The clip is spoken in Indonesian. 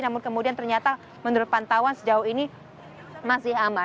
namun kemudian ternyata menurut pantauan sejauh ini masih aman